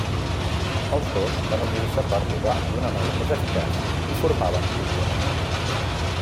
Els dos van unir-se per robar d'una manera més eficaç i formaven un bon equip.